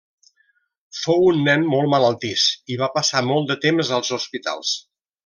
Fou un nen molt malaltís i va passar molt de temps als hospitals.